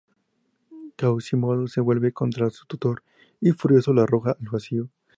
Quasimodo se vuelve contra su tutor y furioso lo arroja al vacío.